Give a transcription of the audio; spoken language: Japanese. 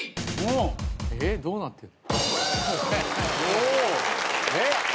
えっどうなってる？